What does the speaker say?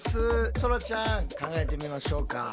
そらちゃん考えてみましょうか。